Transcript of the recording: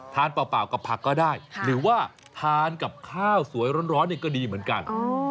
เปล่ากับผักก็ได้หรือว่าทานกับข้าวสวยร้อนนี่ก็ดีเหมือนกัน